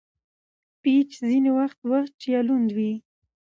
پيچ ځیني وخت وچ یا لوند يي.